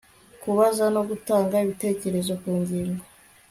kubaza no gutanga ibitekerezo ku ngingo